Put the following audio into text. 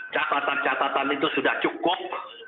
catatan catatan itu sudah cukup